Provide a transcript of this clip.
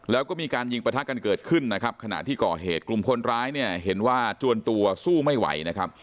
แล้วก็มีการยิงประทะกันเกิดขึ้นนะครับขณะที่ก่อเหตุกลุ่มคนร้ายเนี่ยเห็นว่าจวนตัวสู้ไม่ไหวนะครับ